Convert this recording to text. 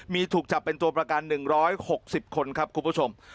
มีถูกจับเป็นตัวประกัน๑๖๐คนครับคุณผู้ชม